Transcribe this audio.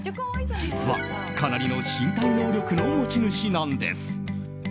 実は、かなりの身体能力の持ち主なんです。